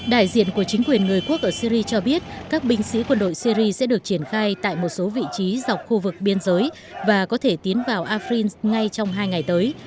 đại diện của chính quyền người quốc ở syri cho biết các binh sĩ quân đội syri sẽ được triển khai tại một số vị trí dọc khu vực biên giới và có thể tiến vào afren ngay trong hai ngày tới